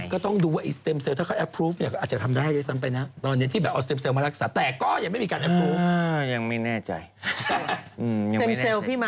ก็ต้องไปเช็คดูว่าได้ไหม